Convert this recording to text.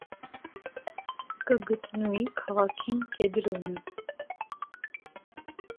Կը գտնուի քաղաքին կեդրոնը։